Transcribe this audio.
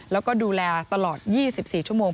แล้วก็ดูแลตลอด๒๔ชั่วโมง